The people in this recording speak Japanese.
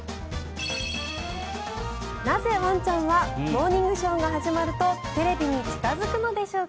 なぜ、ワンちゃんは「モーニングショー」が始まるとテレビに近付くのでしょうか。